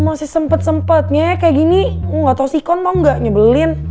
masih sempet sempetnya kayak gini gak tau sikon apa enggak nyebelin